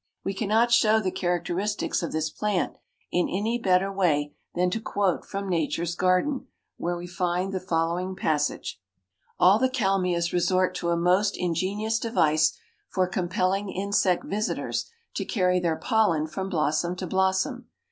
We cannot show the characteristics of this plant in any better way than to quote from "Nature's Garden," where we find the following passage: "All the Kalmias resort to a most ingenious device for compelling insect visitors to carry their pollen from blossom to blossom.